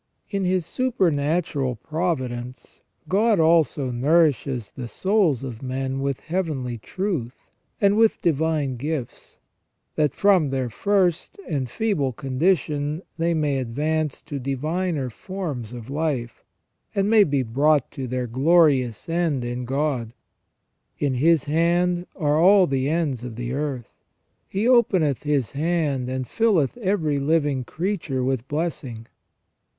In His supernatural Providence God also nourishes the souls of men with heavenly truth, and with divine gifts, that from their first and feeble condition they may advance to diviner forms of life, and may be brought to their glorious end in God. " In His hand are all the ends of the earth." " He openeth His hand, and filleth every living creature with blessing."